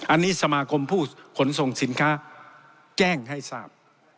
อันนี้สมาคมผู้ขนส่งสินค้าแจ้งให้ทราบ